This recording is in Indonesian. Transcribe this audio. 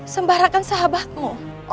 sembara kan sahabatmu